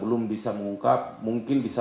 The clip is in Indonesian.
kalau tujuan ini saya tidak akan menanggung jawab